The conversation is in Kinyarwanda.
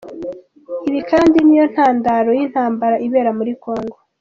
Ibi kandi niyo ntandaro y’intambara ibera muri Congo.